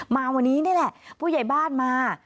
มาวันนี้นี่แหละผู้ใหญ่บ้านมา